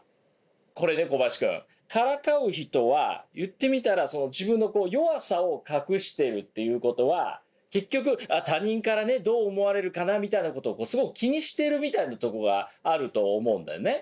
これね小林くんからかう人は言ってみたら自分の弱さを隠しているということは結局他人からどう思われるかなみたいなことをすごく気にしてるみたいなとこがあると思うんだよね。